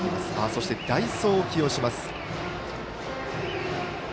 そして、代走を起用します。